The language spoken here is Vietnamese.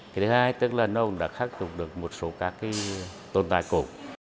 cái thứ hai tức là nó cũng đã khắc phục được một số các cái tồn tại cổ